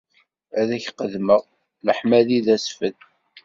Ad ak-qeddmeɣ leḥmadi d asfel.